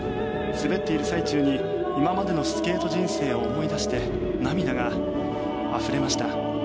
滑っている最中に今までのスケート人生を思い出して涙があふれました。